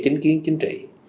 chính kiến chính trị